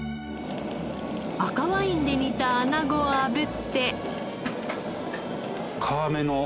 赤ワインで煮たアナゴを炙って。